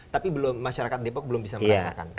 tapi masyarakat depok belum bisa merasakan